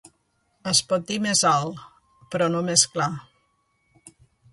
Es pot dir més alt... però no més clar.